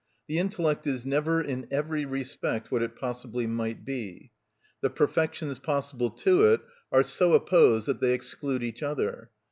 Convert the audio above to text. The intellect is never in every respect what it possibly might be. The perfections possible to it are so opposed that they exclude each other.